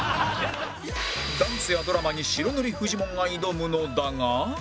ダンスやドラマに白塗りフジモンが挑むのだが